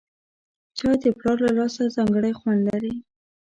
چای د پلار له لاسه ځانګړی خوند لري